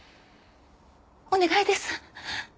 お願いです。